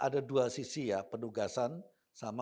saudara redha terima kasih kita bersama sama